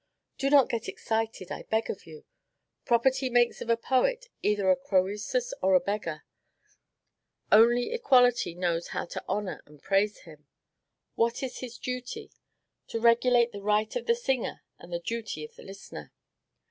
Do not get excited, I beg of you. Property makes of a poet either a Croesus or a beggar; only equality knows how to honor and to praise him. What is its duty? To regulate the right of the singer and the duty of the listener.